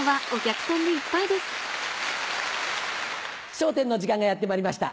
『笑点』の時間がやってまいりました。